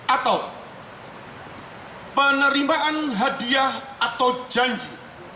atau penerimaan hadiah atau janji